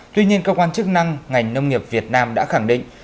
tuy nhiên cơ quan chức năng ngành nông nghiệp việt nam đã khẳng định